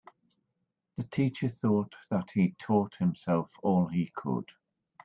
The teacher thought that he'd taught himself all he could.